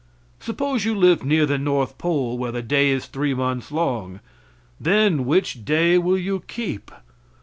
Suppose you lived near the north pole, where the day is three months long. Then which day will you keep?